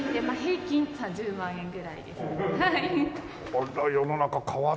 あら世の中変わったね。